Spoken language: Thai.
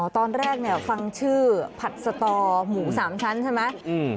ตอนแรกฟังชื่อผัดสตอหมู๓ชั้นใช่ไหม